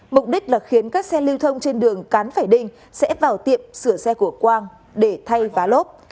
mục đích là khiến các xe lưu thông trên đường cán phải đinh sẽ vào tiệm sửa xe của quang để thay vá lốp